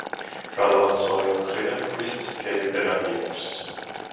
გალავანს ორივე მხრიდან ქვის სქელი პერანგი აქვს.